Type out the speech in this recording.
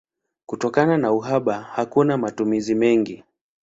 Kutokana na uhaba hakuna matumizi mengi.